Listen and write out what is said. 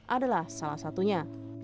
adalah salah satunya